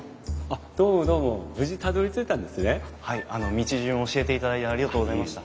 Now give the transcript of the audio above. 道順を教えていただいてありがとうございました。